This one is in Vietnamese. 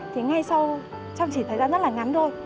thì ngay trong chỉ thời gian rất là ngắn thôi